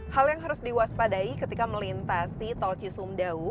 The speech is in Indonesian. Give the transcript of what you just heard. hal yang harus diwaspadai ketika melintasi tol cisumdawu